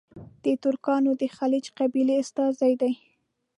د ترکانو د خیلیچ قبیلې استازي دي.